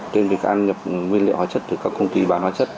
tiếp tục ăn nhập nguyên liệu hóa chất từ các công ty bán hóa chất